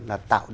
là tạo dựng